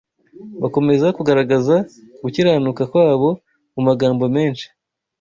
bakomeza kugaragaza gukiranuka kwabo mu magambo menshi